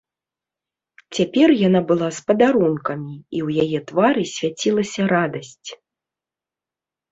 Цяпер яна была з падарункамі, і ў яе твары свяцілася радасць.